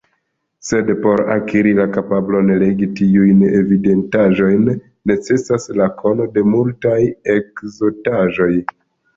Sed por akiri la kapablon legi tiujn evidentaĵojn necesas la kono de multaj ekzotaĵoj.